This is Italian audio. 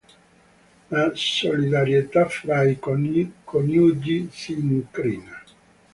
La solidarietà fra i coniugi si incrina.